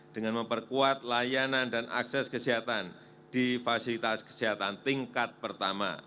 dengan memperkuat layanan dan akses kesehatan di fasilitas kesehatan tingkat pertama